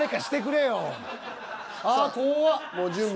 ああ怖っ。